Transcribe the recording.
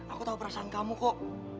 aku tahu perasaan kamu kok